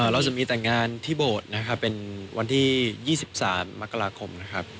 เราจะมีต่างานที่โบสถ์เป็นวันที่๒๓มกรคม